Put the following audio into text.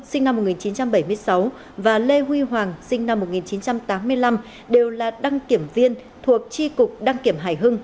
sinh năm một nghìn chín trăm bảy mươi sáu và lê huy hoàng sinh năm một nghìn chín trăm tám mươi năm đều là đăng kiểm viên thuộc tri cục đăng kiểm hải hưng